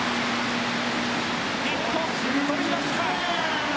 日本、取りました！